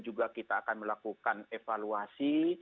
juga kita akan melakukan evaluasi